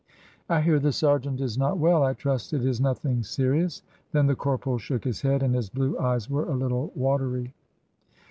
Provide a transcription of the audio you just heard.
"I hear the sergeant is not well. I trust it is nothing serious." Then the corporal shook his head, and his blue eyes were a little watery.